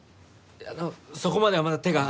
あのそこまではまだ手が。